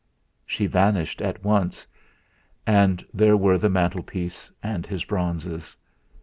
She vanished at once, and there were the mantelpiece and his bronzes.